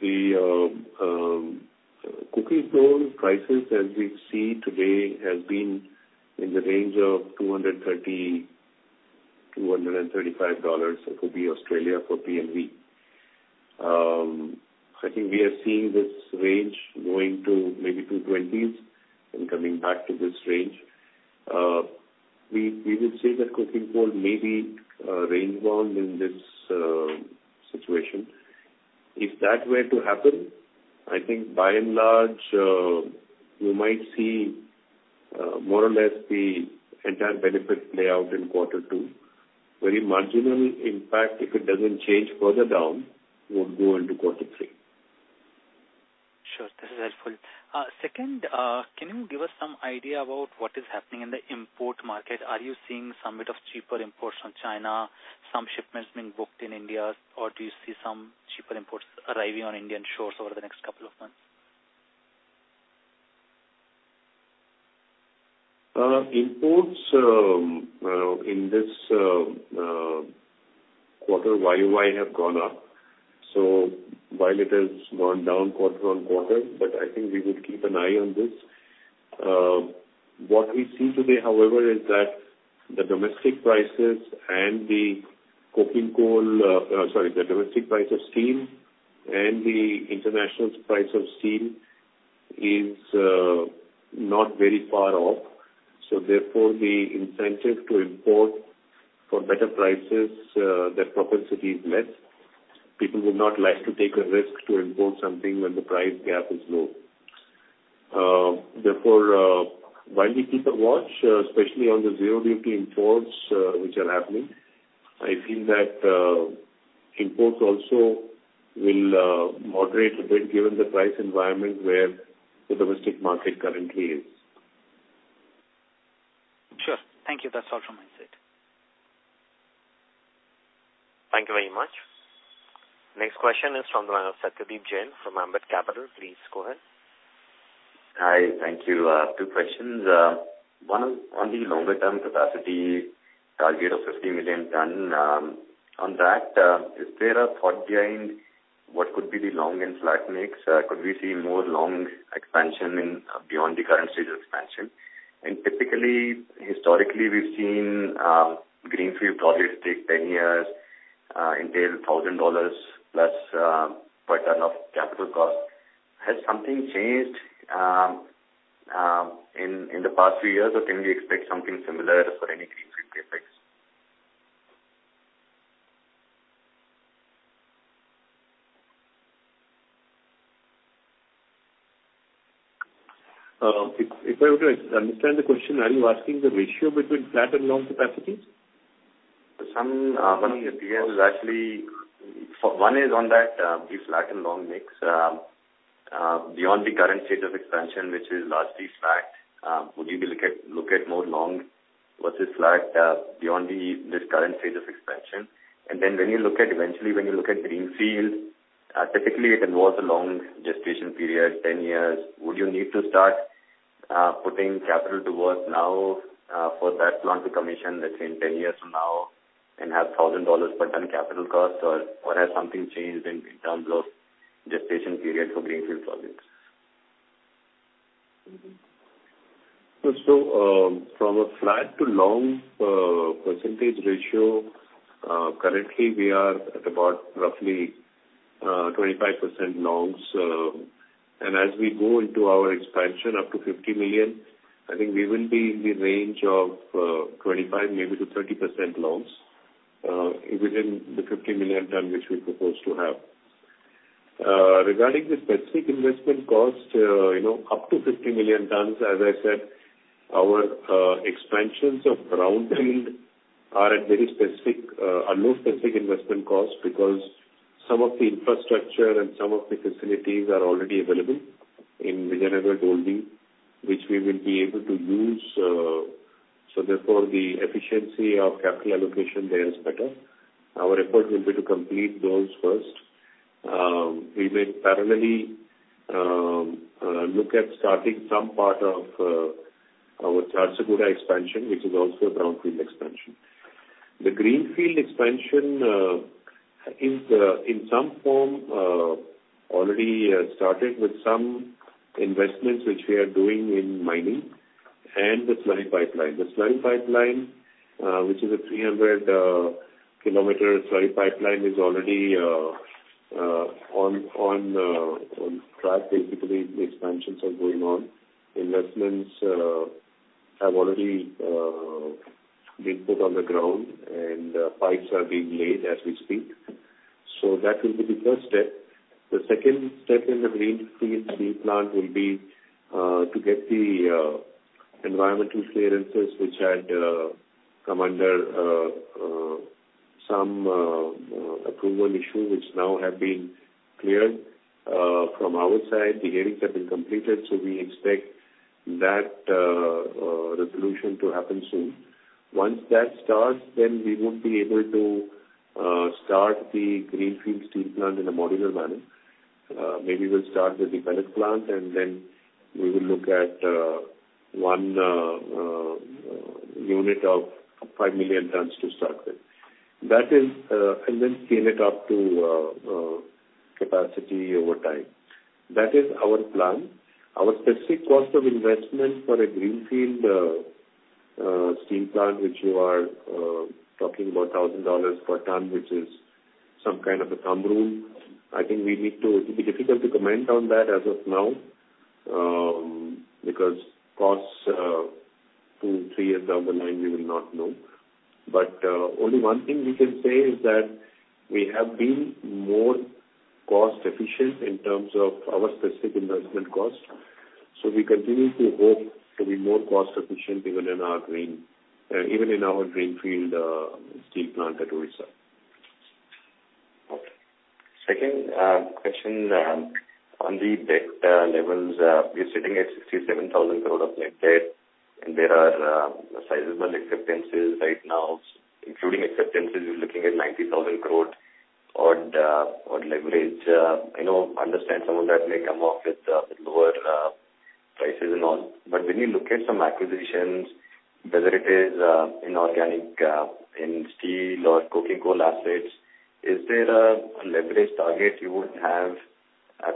The coking coal prices, as we see today, has been in the range of $230-$235 for the Australia for PLV. I think we are seeing this range going to maybe $220s and coming back to this range. We would say that coking coal may be range-bound in this situation. If that were to happen, I think by and large, you might see more or less the entire benefit play out in Q2. Very marginal impact, if it doesn't change further down, would go into Q3. Sure. This is helpful. Second, can you give us some idea about what is happening in the import market? Are you seeing somewhat of cheaper imports from China, some shipments being booked in India, or do you see some cheaper imports arriving on Indian shores over the next couple of months? Imports in this quarter, YOY have gone up, while it has gone down quarter-on-quarter, I think we would keep an eye on this. What we see today, however, is that the domestic price of steel and the international price of steel is not very far off. Therefore, the incentive to import for better prices, the propensity is less. People would not like to take a risk to import something when the price gap is low. Therefore, while we keep a watch, especially on the zero-duty imports, I think that imports also will moderate a bit given the price environment where the domestic market currently is. Sure. Thank you. That's all from my side. Thank you very much. Next question is from the line of Satyadeep Jain from Ambit Capital. Please go ahead. Hi, thank you. Two questions. One, on the longer-term capacity target of 50 million tons, on that, is there a thought behind what could be the long and flat mix? Could we see more long expansion in beyond the current stage expansion? Typically, historically, we've seen greenfield projects take 10 years, entail $1,000 plus per ton of capital cost. Has something changed in the past three years, or can we expect something similar for any greenfield CapEx? If I were to understand the question, are you asking the ratio between flat and long capacities? Some years actually. One is on that, the flat and long mix. Beyond the current state of expansion, which is largely flat, would you look at more long versus flat beyond this current phase of expansion? Eventually, when you look at greenfield, typically it involves a long gestation period, 10 years. Would you need to start putting capital to work now for that plant to commission, let's say, in 10 years from now and have $1,000 per ton capital cost? Has something changed in terms of gestation period for greenfield projects? From a flat to long percentage ratio, currently we are at about roughly 25% longs. As we go into our expansion up to 50 million, I think we will be in the range of 25% maybe to 30% longs within the 50 million ton, which we propose to have. Regarding the specific investment cost, you know, up to 50 million tons, as I said, our expansions of brownfield are at very specific, a low specific investment cost because some of the infrastructure and some of the facilities are already available in Vijayanagar and Dolvi, which we will be able to use. Therefore, the efficiency of capital allocation there is better. Our effort will be to complete those first. We will parallelly look at starting some part of our Jharsuguda expansion, which is also a brownfield expansion. The greenfield expansion is in some form already started with some investments which we are doing in mining and the slurry pipeline. The slurry pipeline, which is a 300 km slurry pipeline, is already on track. Basically, the expansions are going on. Investments have already been put on the ground, and pipes are being laid as we speak. That will be the first step. The second step in the greenfield steel plant will be to get the environmental clearances, which had come under some approval issue, which now have been cleared. From our side, the hearings have been completed, we expect that resolution to happen soon. Once that starts, we would be able to start the greenfield steel plant in a modular manner. Maybe we'll start with the pellet plant, and then we will look at one unit of 5 million tons to start with. That is, and scale it up to capacity over time. That is our plan. Our specific cost of investment for a greenfield steel plant, which you are talking about $1,000 per ton, which is some kind of a thumb rule. I think it'd be difficult to comment on that as of now, because costs two, three years down the line, we will not know. Only one thing we can say is that we have been more cost efficient in terms of our specific investment cost. We continue to hope to be more cost efficient even in our greenfield steel plant at Odisha. Okay. Second, question on the debt levels. We're sitting at 67,000 crore of net debt, and there are sizable acceptances right now. Including acceptances, we're looking at 90,000 crore odd leverage. I know, understand some of that may come off with lower prices and all. When you look at some acquisitions, whether it is inorganic in steel or coking coal assets, is there a leverage target you would have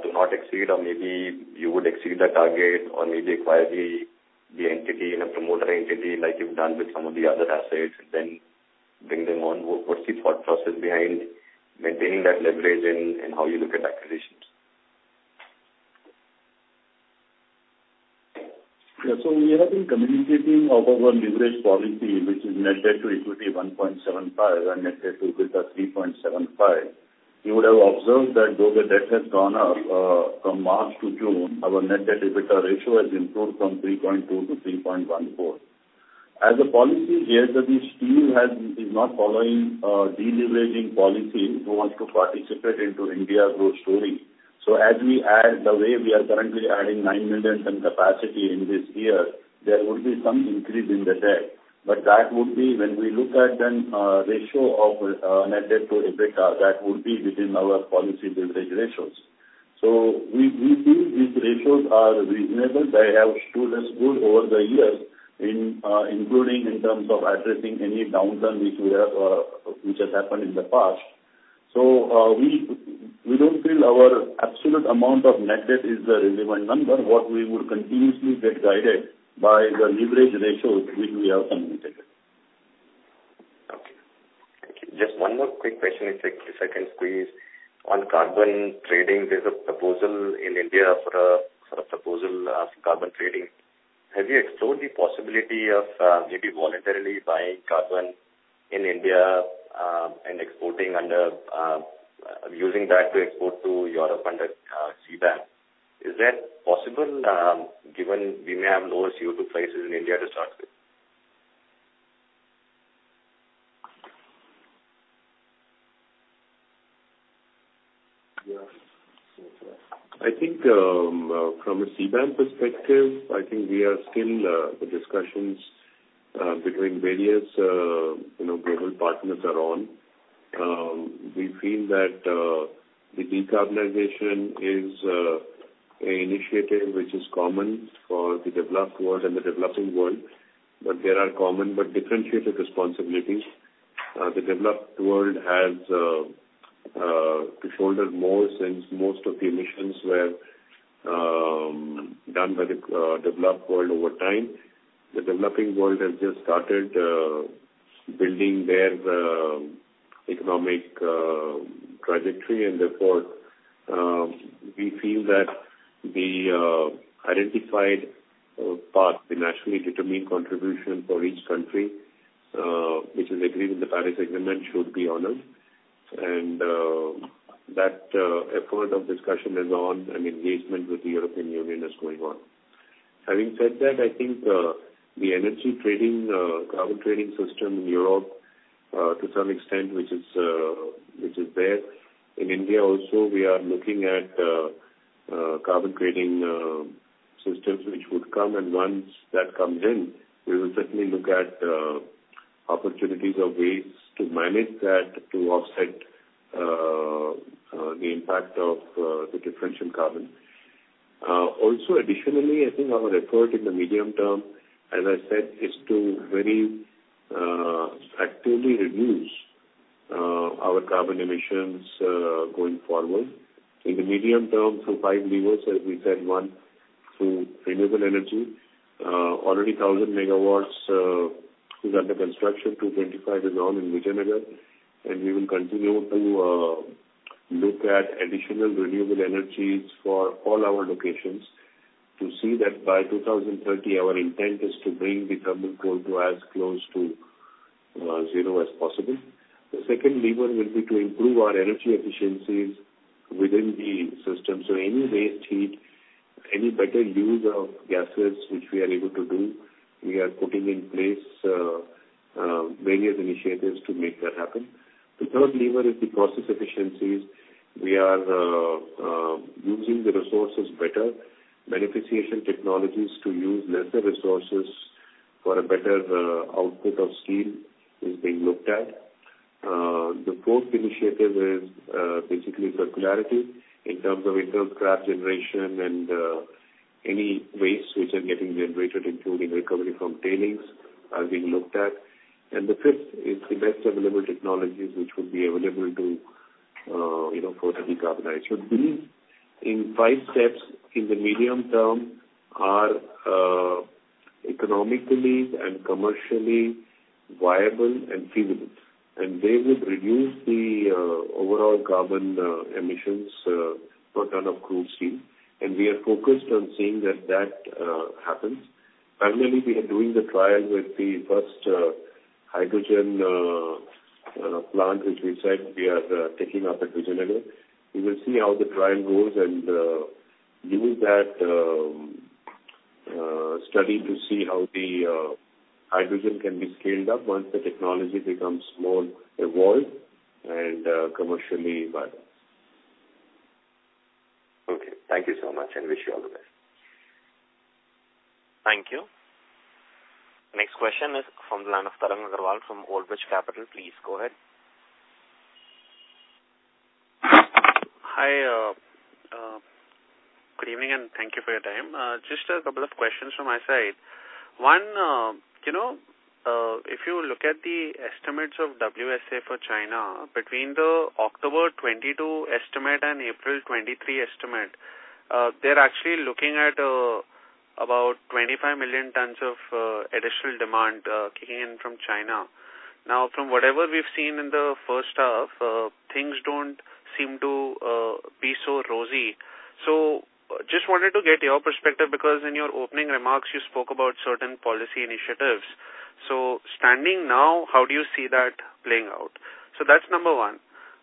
to not exceed, or maybe you would exceed the target, or maybe acquire the entity in a promoter entity, like you've done with some of the other assets, and then bring them on? What's the thought process behind maintaining that leverage and how you look at acquisitions? We have been communicating about our leverage policy, which is net debt to equity 1.75, and net debt to EBITDA 3.75. You would have observed that though the debt has gone up from March to June, our net debt EBITDA ratio has improved from 3.2 to 3.14. As a policy here, that we still have, is not following de-leveraging policy, who wants to participate into India growth story. As we add, the way we are currently adding 9 million tons capacity in this year, there will be some increase in the debt. That would be when we look at then ratio of net debt to EBITDA, that would be within our policy leverage ratios. We feel these ratios are reasonable. They have stood us good over the years in, including in terms of addressing any downturn which we have, which has happened in the past. We don't feel our absolute amount of net debt is the relevant number. What we would continuously get guided by the leverage ratios which we have communicated. Okay. Thank you. Just one more quick question, if I can squeeze. On carbon trading, there's a proposal in India for a proposal of carbon trading. Have you explored the possibility of maybe voluntarily buying carbon in India, and exporting under using that to export to Europe under CBAM? Is that possible, given we may have lower CO2 prices in India to start with? I think, from a CBAM perspective, I think we are still, the discussions, between various, you know, global partners are on. We feel that, the decarbonization is, a initiative which is common for the developed world and the developing world, but there are common but differentiated responsibilities. The developed world has, to shoulder more, since most of the emissions were, done by the, developed world over time. The developing world has just started, building their, economic, trajectory, and therefore, we feel that the, identified, path, the nationally determined contribution for each country, which is agreed in the Paris Agreement, should be honored. That, effort of discussion is on, and engagement with the European Union is going on. Having said that, I think, the energy trading, carbon trading system in Europe, to some extent, which is, which is there. In India also, we are looking at, carbon trading, systems which would come, and once that comes in, we will certainly look at, opportunities or ways to manage that, to offset, the impact of, the differential carbon. Additionally, I think our effort in the medium term, as I said, is to very, actively reduce, our carbon emissions, going forward. In the medium term, through five levers, as we said, one, through renewable energy. Already 1,000 megawatts is under construction to 25 is on in Vijayanagar. We will continue to look at additional renewable energies for all our locations to see that by 2030, our intent is to bring the thermal coal to as close to zero as possible. The second lever will be to improve our energy efficiencies within the system. Any waste heat, any better use of gases which we are able to do, we are putting in place various initiatives to make that happen. The third lever is the process efficiencies. We are using the resources better. Beneficiation technologies to use lesser resources for a better output of steel is being looked at. The fourth initiative is basically circularity in terms of internal scrap generation and any wastes which are getting generated, including recovery from tailings, are being looked at. The fifth is the best available technologies which would be available to, you know, for the decarbonization. These, in five steps in the medium term, are economically and commercially viable and feasible, and they would reduce the overall carbon emissions per ton of crude steel. We are focused on seeing that that happens. Finally, we are doing the trial with the first hydrogen plant, which we said we are taking up at Vijayanagar. We will see how the trial goes, and use that study to see how the hydrogen can be scaled up once the technology becomes more evolved and commercially viable. Okay, thank you so much. Wish you all the best. Thank you. Next question is from the line of Tarang Agrawal from Old Bridge Capital. Please, go ahead. Hi, good evening, thank you for your time. Just a couple of questions from my side. One, you know, if you look at the estimates of WSA for China, between the October 2022 estimate and April 2023 estimate, they're actually looking at about 25 million tons of additional demand kicking in from China. From whatever we've seen in the first half, things don't seem to be so rosy. Just wanted to get your perspective, because in your opening remarks, you spoke about certain policy initiatives. Standing now, how do you see that playing out? That's number one.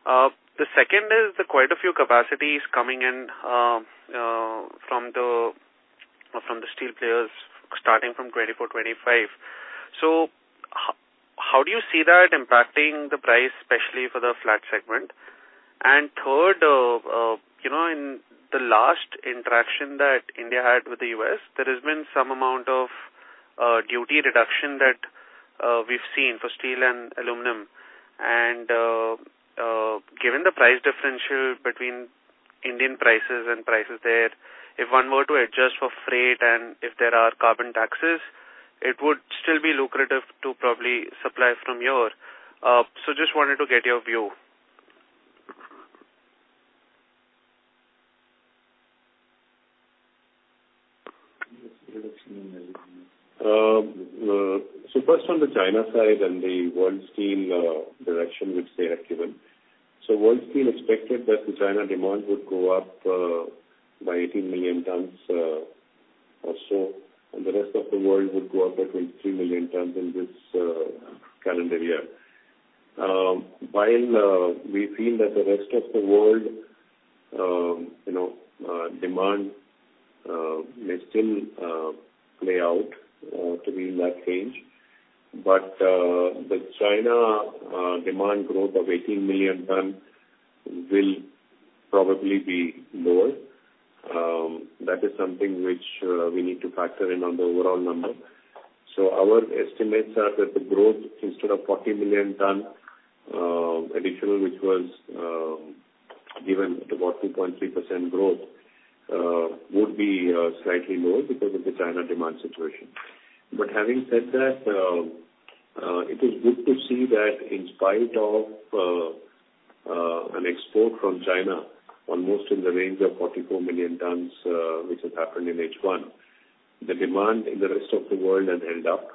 The second is quite a few capacities coming in from the steel players starting from 2024, 2025. How do you see that impacting the price, especially for the flat segment? Third, you know, in the last interaction that India had with the US, there has been some amount of duty reduction that we've seen for steel and aluminum. Given the price differential between Indian prices and prices there, if one were to adjust for freight and if there are carbon taxes, it would still be lucrative to probably supply from here. Just wanted to get your view. First on the China side and the World Steel direction which they have given. World Steel expected that the China demand would go up by 18 million tons or so, and the rest of the world would go up by 23 million tons in this calendar year. While we feel that the rest of the world, you know, demand may still play out to be in that range, the China demand growth of 18 million tons will probably be lower. That is something which we need to factor in on the overall number. Our estimates are that the growth, instead of 40 million ton additional, which was given at about 2.3% growth, would be slightly lower because of the China demand situation. Having said that, it is good to see that in spite of an export from China, almost in the range of 44 million tons, which has happened in H1, the demand in the rest of the world has held up,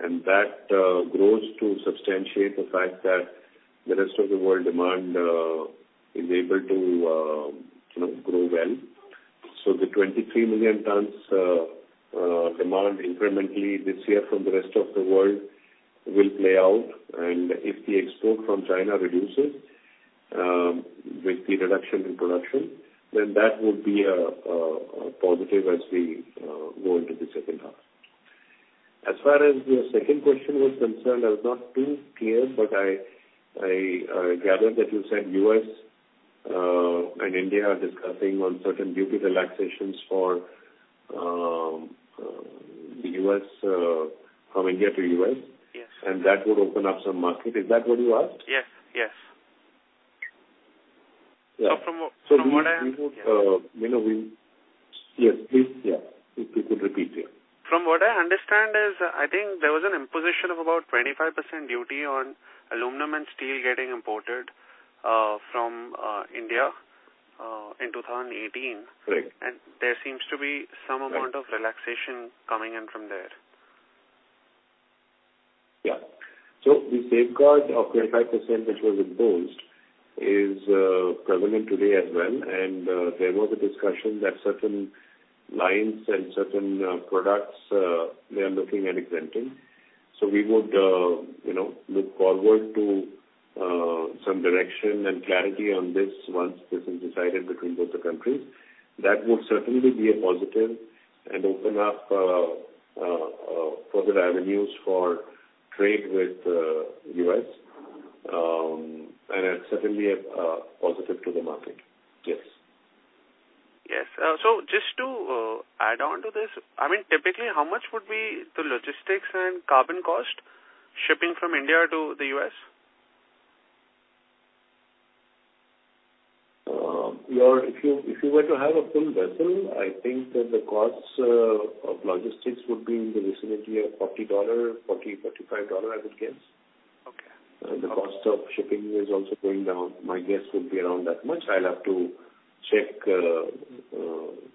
and that grows to substantiate the fact that the rest of the world demand is able to, you know, grow well. The 23 million tons demand incrementally this year from the rest of the world will play out, and if the export from China reduces, with the reduction in production, then that would be a positive as we go into the second half. As far as your second question was concerned, I was not too clear, but I gathered that you said US, and India are discussing on certain duty relaxations for US, from India to US. Yes. That would open up some market. Is that what you asked? Yes, yes. Yeah. from what. Yes, please, yeah. If you could repeat, yeah. From what I understand is, I think there was an imposition of about 25% duty on aluminum and steel getting imported from India in 2018. Correct. There seems to be. Right. amount of relaxation coming in from there. The safeguard of 25%, which was imposed, is prevalent today as well. There was a discussion that certain lines and certain products they are looking at exempting. We would, you know, look forward to some direction and clarity on this once this is decided between both the countries. That would certainly be a positive and open up further avenues for trade with US, and it's certainly a positive to the market. Yes. Yes. Just to add on to this, I mean, typically, how much would be the logistics and carbon cost shipping from India to the US? If you were to have a full vessel, I think that the costs of logistics would be in the vicinity of $40-$45, I would guess. Okay. The cost of shipping is also going down. My guess would be around that much. I'll have to check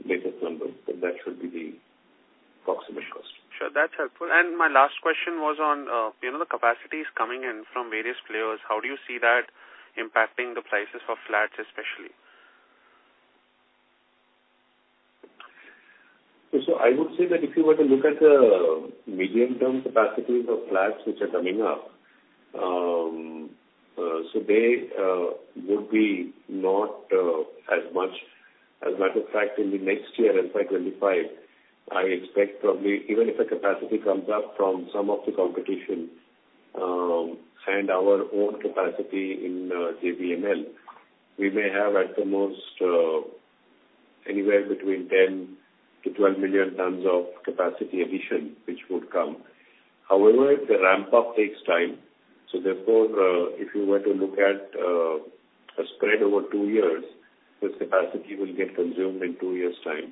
latest number, but that should be the approximate cost. Sure, that's helpful. My last question was on, you know, the capacities coming in from various players. How do you see that impacting the prices for flats, especially? I would say that if you were to look at the medium-term capacities of flats which are coming up, they would be not as much. As a matter of fact, in the next year, FY 2025, I expect probably even if the capacity comes up from some of the competition, and our own capacity in JVML, we may have at the most anywhere between 10-12 million tons of capacity addition, which would come. However, the ramp-up takes time, therefore, if you were to look at a spread over two years, this capacity will get consumed in two years' time.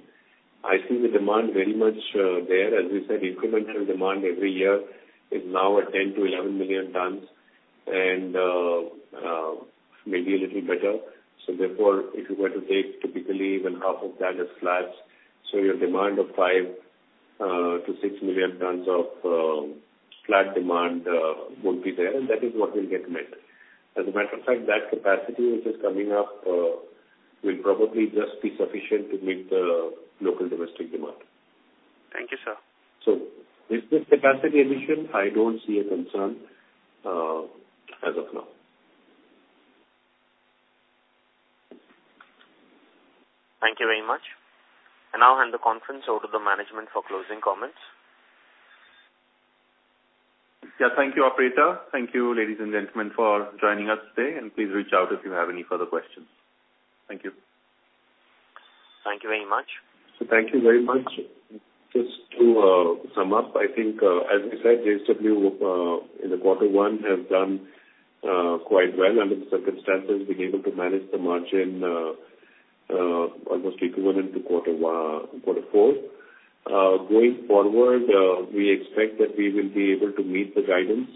I see the demand very much there. As we said, incremental demand every year is now at 10-11 million tons and maybe a little better. Therefore, if you were to take typically even half of that as flats, so your demand of 5-6 million tons of flat demand would be there, and that is what will get met. As a matter of fact, that capacity which is coming up will probably just be sufficient to meet the local domestic demand. Thank you, sir. With this capacity addition, I don't see a concern, as of now. Thank you very much. I now hand the conference over to the management for closing comments. Yeah, thank you, operator. Thank you, ladies and gentlemen, for joining us today, and please reach out if you have any further questions. Thank you. Thank you very much. Thank you very much. Just to sum up, I think, as we said, JSW in the quarter one has done quite well under the circumstances, being able to manage the margin almost equivalent to quarter one, quarter four. Going forward, we expect that we will be able to meet the guidance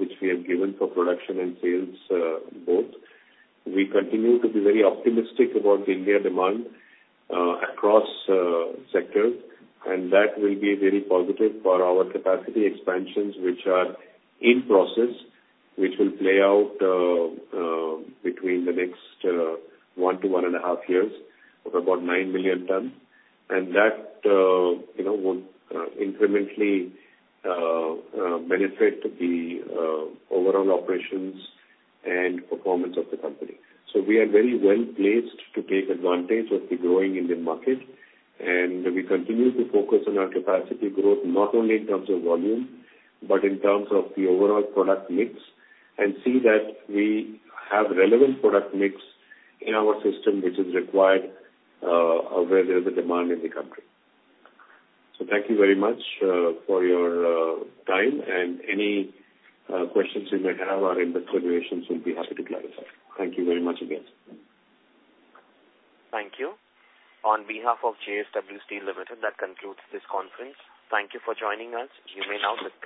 which we have given for production and sales both. We continue to be very optimistic about the India demand across sectors, and that will be very positive for our capacity expansions, which are in process, which will play out between the next one to 1.5 years of about 9 million tons. That, you know, would incrementally benefit the overall operations and performance of the company. We are very well placed to take advantage of the growing Indian market, and we continue to focus on our capacity growth, not only in terms of volume, but in terms of the overall product mix, and see that we have relevant product mix in our system, which is required, where there's a demand in the country. Thank you very much for your time, and any questions you might have our investor relations will be happy to clarify. Thank you very much again. Thank you. On behalf of JSW Steel Limited, that concludes this conference. Thank you for joining us. You may now disconnect.